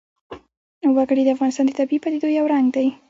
وګړي د افغانستان د طبیعي پدیدو یو رنګ دی.